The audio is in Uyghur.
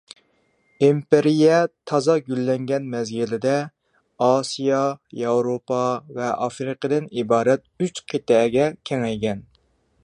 ئىمپېرىيە تازا گۈللەنگەن مەزگىلدە، ئاسىيا، ياۋروپا ۋە ئافرىقىدىن ئىبارەت ئۈچ قىتئەگە كېڭەيگەن.